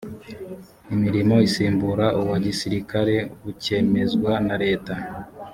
imirimo isimbura uwa gisirikare bukemezwa na leta